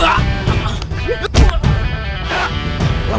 kau tak bisa menang